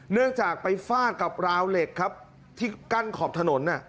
เนื่องจากไปฟาดกับราวเหล็กครับที่กั้นขอบถนน